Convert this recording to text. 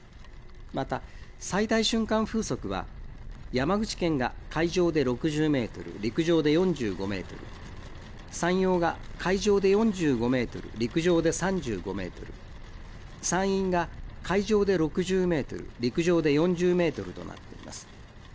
また最大瞬間風速は、山口県が海上で６０メートル、陸上で４５メートル、山陽が海上で４５メートル、陸上で３５メートル、山陰が海上で６０メートル、陸上で４０メートルとなっています。